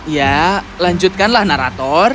ya lanjutkanlah narator